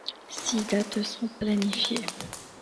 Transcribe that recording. Six dates sont planifiées.